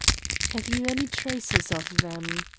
"Have you any traces of them?"